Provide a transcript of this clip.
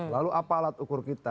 lalu apa alat ukur kita